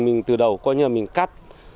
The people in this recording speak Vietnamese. mình từ đầu coi như là mình cắt